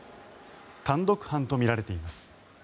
単独犯とみられています。